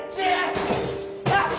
あっ！